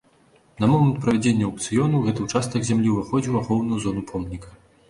На момант правядзення аўкцыёну гэты ўчастак зямлі ўваходзіў у ахоўную зону помніка.